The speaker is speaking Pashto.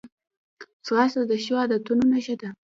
ځغاسته د ښو عادتونو نښه ده